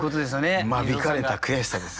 間引かれた悔しさです。